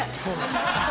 アハハハ。